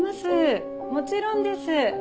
もちろんです。